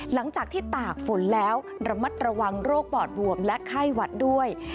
หลังจากที่ตากฝนแล้วระมัดระวังโรคปอดบวมและไข้หวัดด้วย